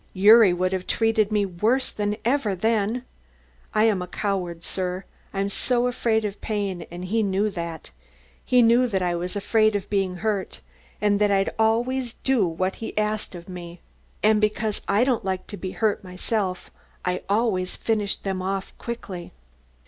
"Gyuri would have treated me worse than ever then. I am a coward, sir, I'm so afraid of pain and he knew that he knew that I was afraid of being hurt and that I'd always do what he asked of me. And because I don't like to be hurt myself I always finished them off quickly."